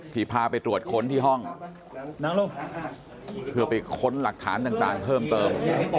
พาไปตรวจค้นที่ห้องเพื่อไปค้นหลักฐานต่างเพิ่มเติม